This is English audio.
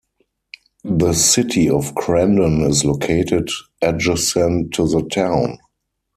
The City of Crandon is located adjacent to the town.